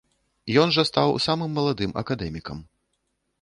Ён жа стаў самым маладым акадэмікам.